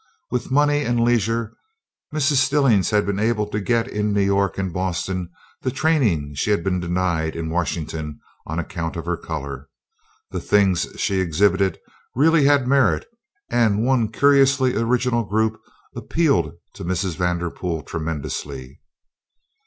With money and leisure Mrs. Stillings had been able to get in New York and Boston the training she had been denied in Washington on account of her color. The things she exhibited really had merit and one curiously original group appealed to Mrs. Vanderpool tremendously.